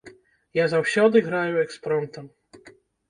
Я заўсёды граю экспромтам.